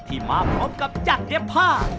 ที่มาพร้อมกับจักรเรภา